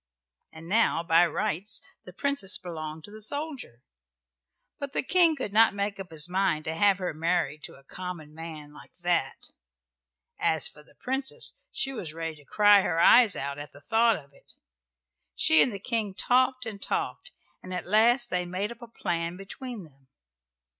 And now by rights the Princess belonged to the soldier, but the King could not make up his mind to have her married to a common man like that. As for the Princess she was ready to cry her eyes out at the thought of it. She and the King talked and talked together, and at last they made up a plan between them.